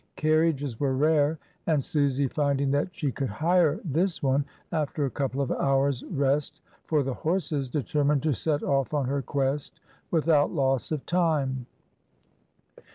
Carriages were rare, and Susy, finding that she could hire this one, after a couple of hours' rest for the horses, determined to set off on her quest without loss of time.